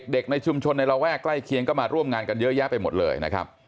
ในชุมชนในระแวกใกล้เคียงก็มาร่วมงานกันเยอะแยะไปหมดเลยนะครับ